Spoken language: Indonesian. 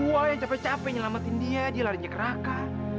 saya yang capek capek menyelamatkan dia dia larinya ke raka